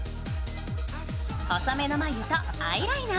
細めの眉とアイライナー。